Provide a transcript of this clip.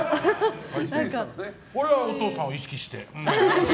俺はお父さんを意識して。